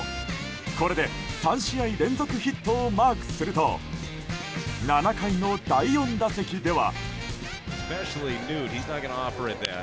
これで３試合連続ヒットをマークすると７回の第４打席では。